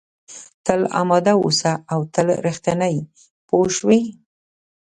تل اماده اوسه او تل رښتینی پوه شوې!.